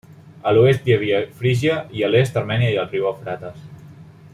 A l'oest hi havia Frígia i a l'est Armènia i el riu Eufrates.